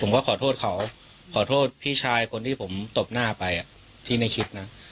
ขอโทษเขาขอโทษพี่ชายคนที่ผมตบหน้าไปที่ในคลิปนะ